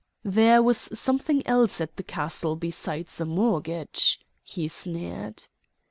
"There was something else at the castle besides a mortgage," he sneered.